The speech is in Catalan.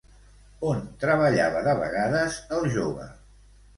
On treballava de vegades el jove?